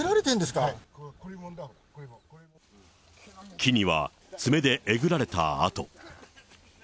木には爪でえぐられた跡。